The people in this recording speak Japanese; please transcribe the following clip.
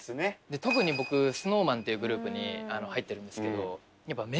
特に僕ＳｎｏｗＭａｎっていうグループに入ってるんですけど。